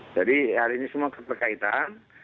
jadi hal ini semua keterkaitan